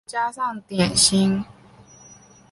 咖啡加上点心